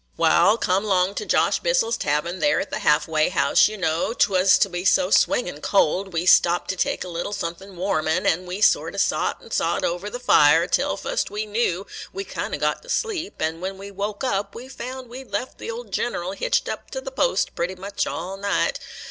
Wal, come 'long to Josh Bissel's tahvern, there at the Half way House, you know, 't was so swinging cold, we stopped to take a little suthin' warmin', an' we sort o' sot an' sot over the fire, till, fust we knew, we kind o' got asleep; an' when we woke up we found we 'd left the old General hitched up t' th' post pretty much all night.